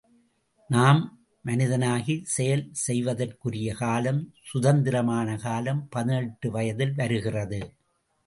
நாம் மனிதனாகிச் செயல் செய்வதற்குரிய காலம் சுதந்திரமான காலம் பதினெட்டு வயதில் வருகிறது!